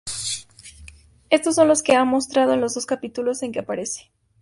Estos son los que ha mostrado en los dos capítulos en que aparece.